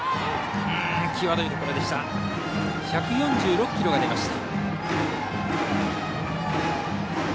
１４６キロが出ました。